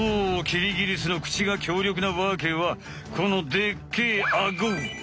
キリギリスのクチが強力なわけはこのでっけえアゴ！